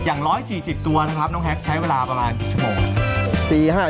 อย่าง๑๔๐ตัวนะครับน้องแฮกใช้เวลาประมาณกี่ชั่วโมงครับ